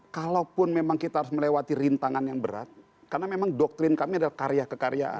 kalaupun memang kita harus melewati rintangan yang berat karena memang doktrin kami adalah karya kekaryaan